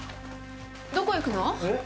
どこ行くの？え？